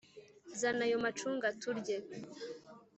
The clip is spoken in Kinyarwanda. zana ayo macunga turye